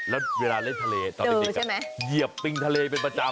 แล้วเวลาเล่นทะเลตอนจริงเหยียบปิงทะเลเป็นประจำ